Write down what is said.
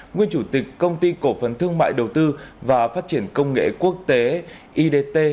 nguyên chủ tịch công ty cổ phần thương mại đầu tư và phát triển công nghệ quốc tế idt